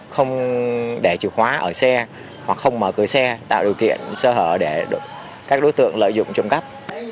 không để chiều khóa ở xe hoặc không mở cửa xe tạo điều kiện sơ hợp để các đối tượng lợi dụng trùng cấp